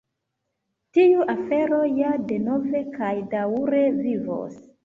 Tiu afero ja denove kaj daŭre vivos.